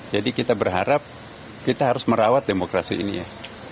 jadi kita berharap kita harus merawat demokrasi ini ya